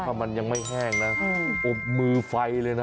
ถ้ามันยังไม่แห้งนะอบมือไฟเลยนะ